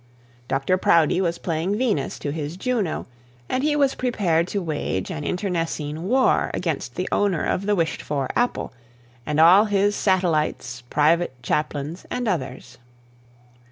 Dr Proudie was playing Venus to his Juno, and he was prepared to wage an internecine war against the owner of the wished for apple, and all his satellites private chaplains, and others.